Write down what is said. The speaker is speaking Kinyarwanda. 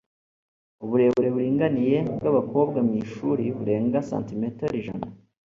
uburebure buringaniye bwabakobwa mwishuri burenga santimetero ijana